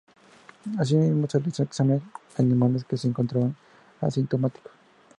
Asimismo se realizó exámenes a animales, que se encontraban asintomáticos.